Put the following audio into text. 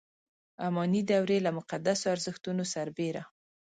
اماني دورې له مقدسو ارزښتونو سره بېړه.